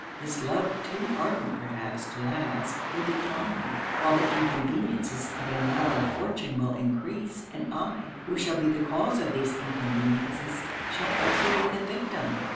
His love, too ardent perhaps to last, will decline; while the inconveniences of a narrow fortune will encrease; and I, who shall be the cause of these inconveniences, shall also be the victim.